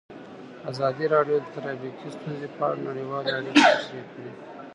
ازادي راډیو د ټرافیکي ستونزې په اړه نړیوالې اړیکې تشریح کړي.